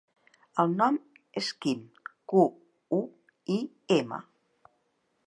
El nom és Quim: cu, u, i, ema.